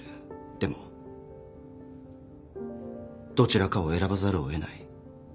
でもどちらかを選ばざるを得ない。